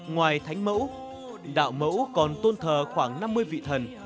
ngoài thánh mẫu đạo mẫu còn tôn thờ khoảng năm mươi vị thần